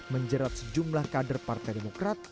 menjerat sejumlah kader partai demokrat